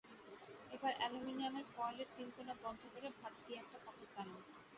এবার অ্যালুমিনিয়াম ফয়েলের তিন কোনা বন্ধ করে ভাঁজ দিয়ে একটা পকেট বানান।